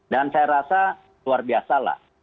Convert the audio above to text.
dan saya rasa luar biasa lah